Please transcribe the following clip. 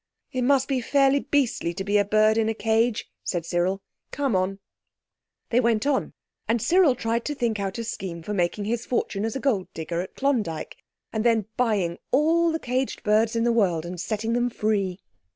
"It must be fairly beastly to be a bird in a cage," said Cyril. "Come on!" They went on, and Cyril tried to think out a scheme for making his fortune as a gold digger at Klondyke, and then buying all the caged birds in the world and setting them free.